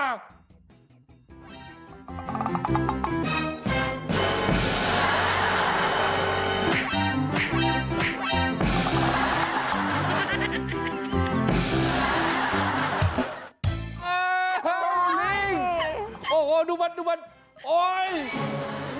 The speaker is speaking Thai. เอ้อลิ้ง